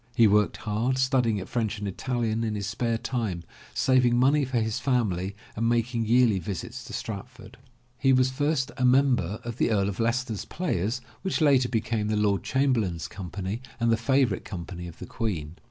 He worked hard, studying at French and Italian in his spare time, saving money for his family and making yearly visits to Stratford. He was first a member of the Earl of Leicester's players which 159 M Y BOOK HOUSE later became the Lord Chamberlain's Company and the favorite company of the Queen.